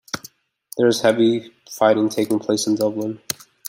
There is heavy fighting taking place in Dublin.